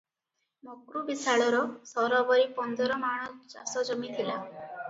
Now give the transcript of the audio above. ମକ୍ରୁ ବିଶାଳର ସରବରି ପନ୍ଦର ମାଣ ଚାଷଜମି ଥିଲା ।